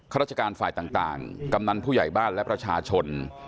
ราชการฝ่ายต่างกำนันผู้ใหญ่บ้านและประชาชน